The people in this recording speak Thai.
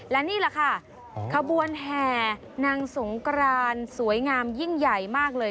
และนี่แห่นางสงกรานสวยงามยิ่งใหญ่มากเลย